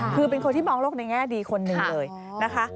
คือเป็นคนที่มองโลกในแง่ดีคนหนึ่งเลยนะคะ